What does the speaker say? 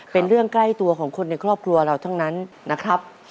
เป็นเรื่องใกล้ตัวของคนในครอบครัวเราทั้งนั้นนะครับ